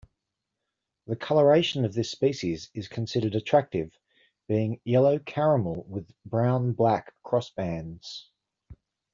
The colouration of this species is considered attractive, being yellow-caramel with brown-black cross bands.